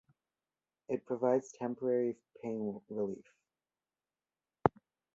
It provides temporary pain relief.